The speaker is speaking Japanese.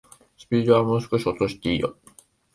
スピードはもう少し落としていいよ